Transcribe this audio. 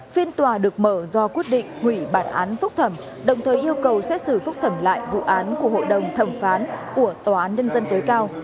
phiên tòa được mở do quyết định hủy bản án phúc thẩm đồng thời yêu cầu xét xử phúc thẩm lại vụ án của hội đồng thẩm phán của tòa án nhân dân tối cao